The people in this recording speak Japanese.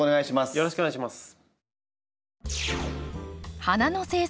よろしくお願いします。